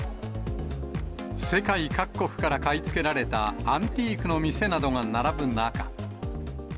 世界各国から買い付けられたアンティークの店などが並ぶ中。